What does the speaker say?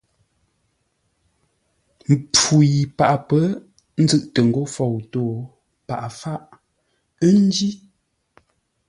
Mpfu yi paghʼə pə̌ nzʉ̂ʼtə ńgó fou tó, paghʼə fáʼ, ńjí.